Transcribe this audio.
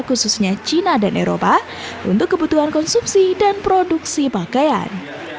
khususnya cina dan eropa untuk kebutuhan konsumsi dan produksi pakaian